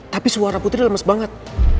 tapi suara putri lemes banget